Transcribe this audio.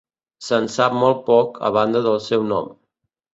Se'n sap molt poc, a banda del seu nom.